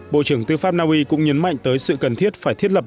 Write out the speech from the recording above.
bộ trưởng tư pháp na uy cũng nhấn mạnh tới sự cần thiết phải thiết lập